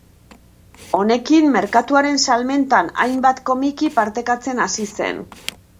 Honekin merkatuaren salmentan hainbat komiki partekatzen hasi zen.